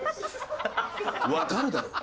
わかるだろうが！